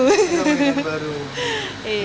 ada mainan baru